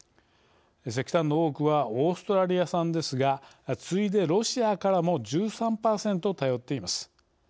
石炭の多くはオーストラリア産ですが次いでロシアからも１３％頼っています。